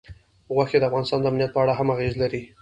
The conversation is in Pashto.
غوښې د افغانستان د امنیت په اړه هم اغېز لري.